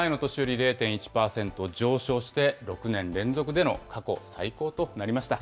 前の年より０．１％上昇して、６年連続での過去最高となりました。